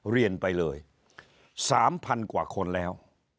เรียนไปเลย๓๐๐๐กว่าคนแล้ว